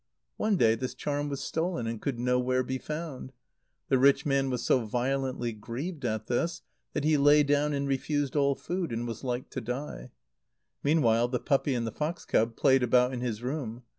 One day this charm was stolen, and could nowhere be found. The rich man was so violently grieved at this, that he lay down and refused all food, and was like to die. Meanwhile the puppy and the fox cub played about in his room.